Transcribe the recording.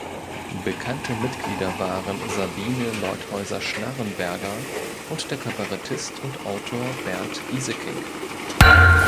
Bekannte Mitglieder waren Sabine Leutheusser-Schnarrenberger und der Kabarettist und Autor Bernd Gieseking.